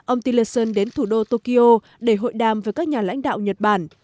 ông tilerson đến thủ đô tokyo để hội đàm với các nhà lãnh đạo nhật bản